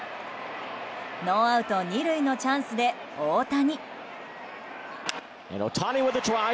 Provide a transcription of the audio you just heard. ノーアウト２塁のチャンスで大谷。